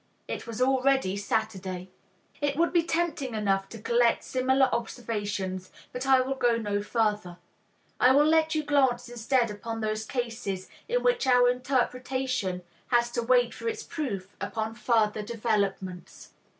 It was already Saturday." It would be tempting enough to collect similar observations, but I will go no further; I will let you glance instead upon those cases in which our interpretation has to wait for its proof upon future developments.